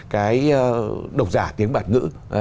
cái độc giả tiếng bản ngữ